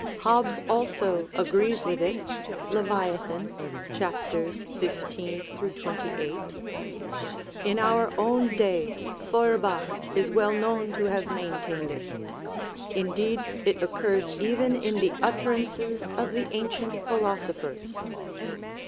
Hobbes also agrees with it, "Leviathan" (chaps. 15 28). In our own day Feurbach is well known to have maintained it. Indeed, it occurs even in the utterances of the ancient philosophers.